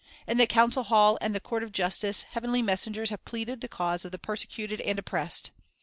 In the council hall and the court of justice, heavenly messengers have pleaded the cause of the persecuted and oppressed.